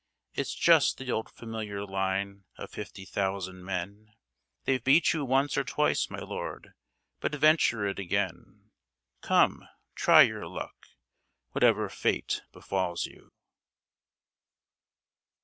It's just the old familiar line of fifty thousand men, They've beat you once or twice, my Lord, but venture it again, Come, try your luck, whatever fate befalls you.